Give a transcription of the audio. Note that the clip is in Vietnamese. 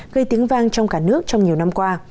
gây tiếng vang trong cả nước trong nhiều năm qua